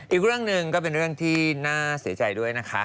อีกเรื่องหนึ่งก็เป็นเรื่องที่น่าเสียใจด้วยนะคะ